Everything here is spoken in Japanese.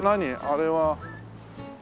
あれは。